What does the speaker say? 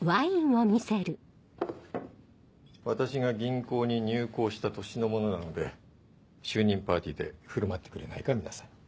私が銀行に入行した年のものなので就任パーティーで振る舞ってくれないか皆さんに。